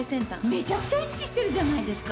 めちゃくちゃ意識してるじゃないですか。